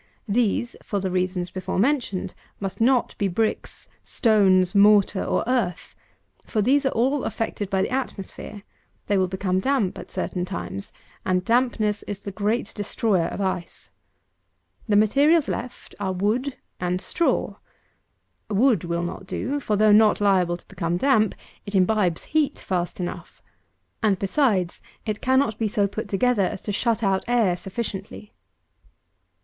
These, for the reasons before mentioned, must not be bricks, stones, mortar, nor earth; for these are all affected by the atmosphere; they will become damp at certain times, and dampness is the great destroyer of ice. The materials are wood and straw. Wood will not do; for, though not liable to become damp, it imbibes heat fast enough; and, besides, it cannot be so put together as to shut out air sufficiently.